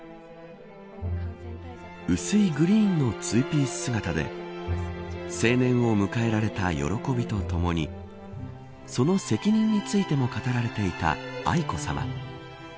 薄いグリーンのツーピース姿で成年を迎えられた喜びとともにその責任についても語られていた愛子さま。